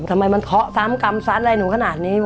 ทำไมมันเคาะซ้ำกรรมซัดอะไรหนูขนาดนี้